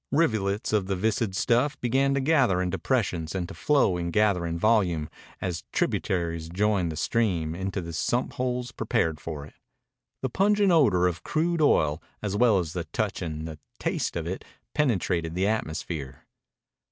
Rivulets of the viscid stuff began to gather in depressions and to flow in gathering volume, as tributaries joined the stream, into the sump holes prepared for it. The pungent odor of crude oil, as well as the touch and the taste of it, penetrated the atmosphere.